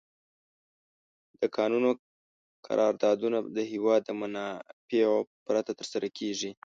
د کانونو قراردادونه د هېواد د منافعو پرته تر سره کیږي.